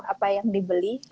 apa yang dibeli